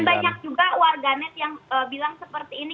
dan banyak juga warganet yang bilang seperti ini